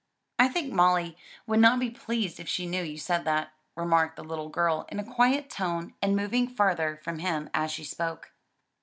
"I think Molly would not be pleased if she knew you said that," remarked the little girl, in a quiet tone, and moving farther from him as she spoke.